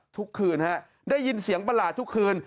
ทุกคืนฮะได้ยินเสียงประหลาดทุกคืน